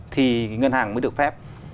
thì ngân hàng mới được phép